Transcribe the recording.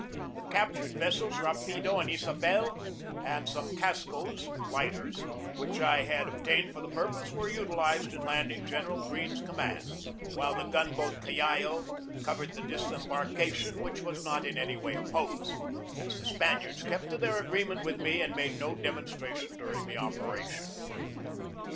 The captured vessels Rapido and Isabel and some cascoes (lighters), which I had obtained for the pur pose, were utilized in landing General Greene's command, while the gun boat Callao covered the dis embarkation which was not in any way opposed, as the Spaniards kept to their agreement with me and made no demonstration during the operation.